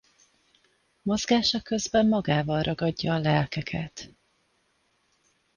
Mozgása közben magával ragadja a lelkeket.